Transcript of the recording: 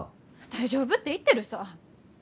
大丈夫って言ってるさぁ。